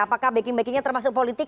apakah backing backingnya termasuk politik